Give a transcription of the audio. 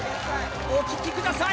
お聞きください